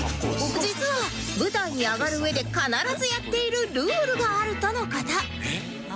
実は舞台に上がるうえで必ずやっているルールがあるとの事